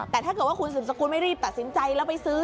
แต่ถ้าเกิดว่าคุณสืบสกุลไม่รีบตัดสินใจแล้วไปซื้อ